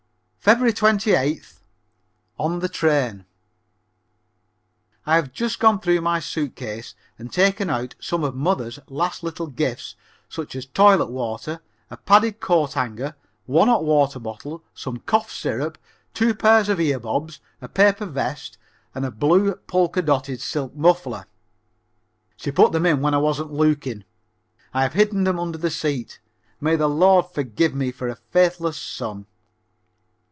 Feb. 28th (on the train). I have just gone through my suit case and taken out some of mother's last little gifts such as toilet water, a padded coat hanger, one hot water bottle, some cough syrup, two pairs of ear bobs, a paper vest and a blue pokerdotted silk muffler. She put them in when I wasn't looking. I have hidden them under the seat. May the Lord forgive me for a faithless son.